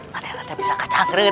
tidak ada yang bisa kacang raden